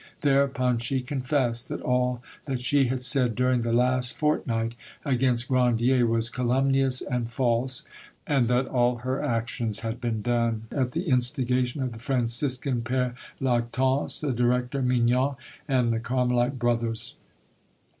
Thereupon she confessed that all that she had said during the last fortnight against Grandier was calumnious and false, and that all her actions had been done at the instigation of the Franciscan Pere Lactance, the director, Mignon, and the Carmelite brothers.